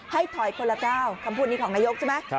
ให้ถอยคนละก้าวคำพูดนี้ของนายกใช่ไหม